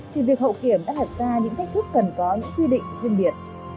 thì việc hậu kiểm đã đặt ra những thách thức cần có những quy định riêng biệt